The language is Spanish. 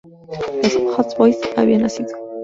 Los "Hot Boyz" habían nacido.